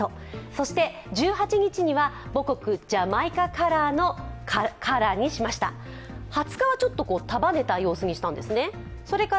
そして、１８日には母国・ジャマイカカラーにしました２０日はちょっと束ねた様子にしたんですね。